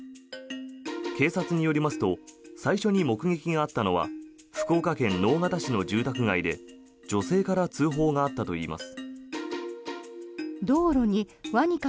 警察によりますと最初に目撃があったのは福岡県直方市の住宅街で女性から通報があったといいます。